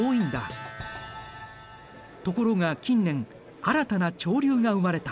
ところが近年新たな潮流が生まれた。